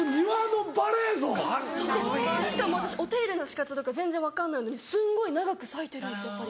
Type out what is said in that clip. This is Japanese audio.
しかも私お手入れの仕方とか全然分かんないのにすんごい長く咲いてるんですよ。